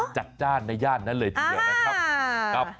จัดจ้านในย่านนั้นเลยที่นี่นะครับ